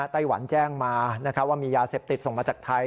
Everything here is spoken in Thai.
ไต้หวันแจ้งมาว่ามียาเสพติดส่งมาจากไทย